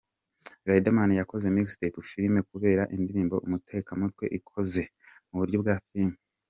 Riderman yakoze MixTape Filime kubera indirimbo 'Umutekamutwe' ikoze mu buryo bwa Filime.